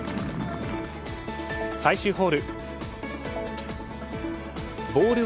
最終ホール。